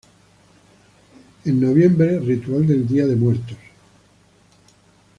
En noviembre, ritual del día de muertos.